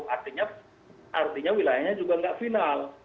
artinya wilayahnya juga nggak final